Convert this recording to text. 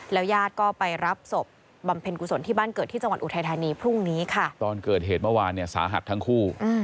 ยาดก็ไปรับศพบำเพ็ญกุศลที่บ้านเกิดที่จังหวัดอุทัยธานีพรุ่งนี้ค่ะตอนเกิดเหตุเมื่อวานเนี่ยสาหัสทั้งคู่